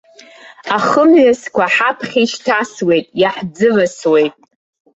Ахымҩасқәа ҳаԥхьа ишьҭасуеит, иаҳӡывасуеит.